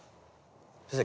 先生